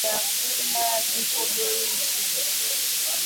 Pweto bintu na biakula biko bei chini